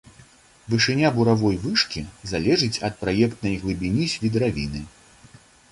Вышыня буравой вышкі залежыць ад праектнай глыбіні свідравіны.